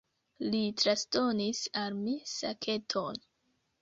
Li transdonis al mi saketon.